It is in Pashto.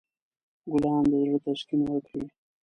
ګلان د زړه تسکین ورکوي.